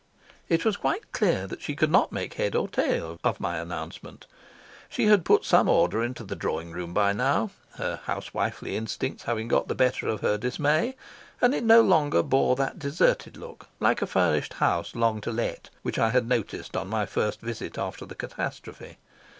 It was quite clear that she could not make head or tail of my announcement. She had put some order into the drawing room by now, her housewifely instincts having got the better of her dismay; and it no longer bore that deserted look, like a furnished house long to let, which I had noticed on my first visit after the catastrophe.